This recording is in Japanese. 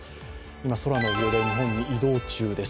今、空の上で日本に移動中です。